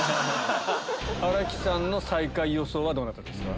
新木さんの最下位予想はどなたですか？